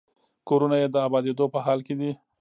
کورونه یې د ابادېدو په حال کې دي.